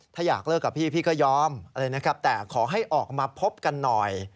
ถ้าอยากเลิกกับพี่พี่ก็ยอมแต่ขอให้ออกมาพบกันหน่อย